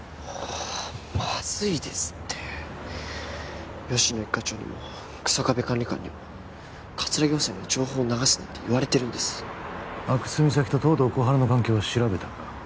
まずいですって吉乃一課長にも日下部管理官にも葛城補佐には情報流すなって言われてるんです阿久津実咲と東堂心春の関係は調べたか？